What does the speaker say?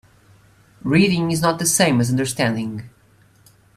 Reading is not the same as understanding.